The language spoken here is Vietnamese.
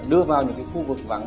đưa vào những khu vực vắng